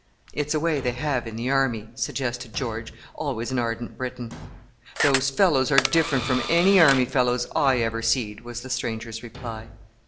"It's a way they have in the Army," suggested George, always an ardent Briton. "Those fellows are different from any Army fellows I ever seed," was the stranger's reply.